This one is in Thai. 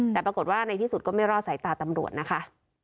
แต่ปรากฏว่าในที่สุดก็ไม่รอดสายตาตำรวจนะคะ